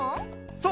そう！